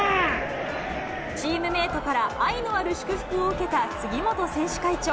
チームメートから、愛のある祝福を受けた杉本選手会長。